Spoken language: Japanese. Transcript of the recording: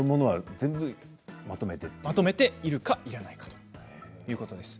全部まとめて、いるかいらないかということです。